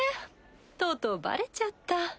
とうとうバレちゃった。